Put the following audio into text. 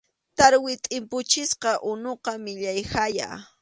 Tarwi tʼimpuchisqa unuqa millay haya.